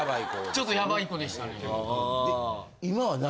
ちょっとヤバい子でしたね。